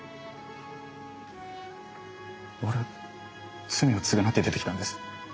俺罪を償って出てきたんです。